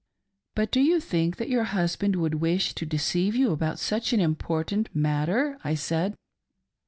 " But do you think that your husband would wish to deceive you about such an important matter T I said.